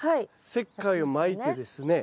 石灰をまいてですね